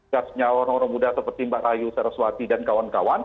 gasnya orang orang muda seperti mbak rayu saraswati dan kawan kawan